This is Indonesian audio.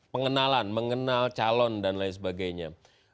pengenalan mengenal calon dan lain sebagainya